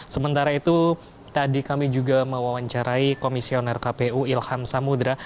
sementara itu tadi kami juga mewawancarai komisioner kpu ilham samudera